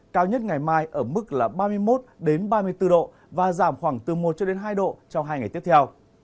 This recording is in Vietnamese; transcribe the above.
cao nhất ngày mai ở mức ba mươi một ba mươi bốn độ và giảm khoảng từ một hai độ trong hai ngày tiếp theo